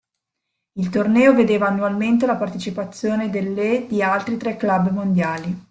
Il torneo vedeva annualmente la partecipazione dell' e di altri tre club mondiali.